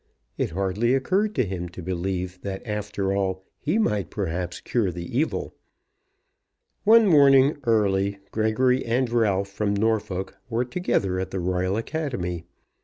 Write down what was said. It hardly occurred to him to believe that after all he might perhaps cure the evil. One morning, early, Gregory and Ralph from Norfolk were together at the Royal Academy.